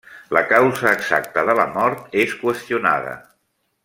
La causa exacta de la mort és qüestionada.